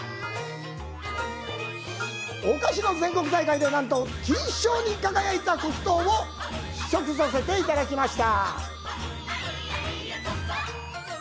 お菓子の全国大会で、なんと金賞に輝いた黒糖を試食させていただきました。